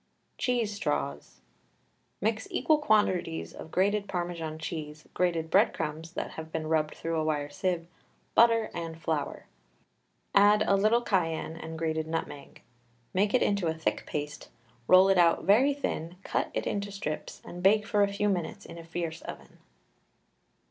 CHEESE STRAWS. Mix equal quantities of grated Parmesan cheese, grated bread crumbs that have been rubbed through a wire sieve, butter, and flour; add a little cayenne and grated nutmeg. Make it into a thick paste, roll it out very thin, cut it into strips, and bake for a few minutes in a fierce oven.